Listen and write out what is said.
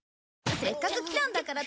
せっかく来たんだから頼むよ！